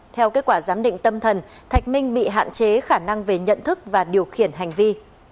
theo kết quả giám định tâm thần thạch minh bị hạn chế khả năng về nhận thức và điều khiển hành vi